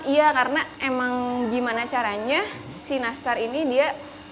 iya karena emang gimana caranya si nastar ini dia